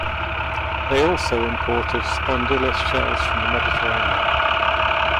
They also imported spondylus shells from the Mediterranean.